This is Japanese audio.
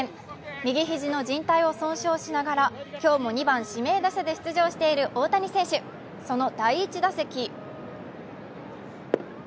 右肘のじん帯を損傷しながら今日も２番・指名打者で出場している大谷選手、その第１打席。